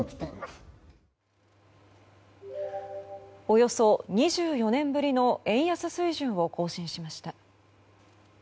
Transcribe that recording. およそ２４年ぶりの円安水準を更新しました。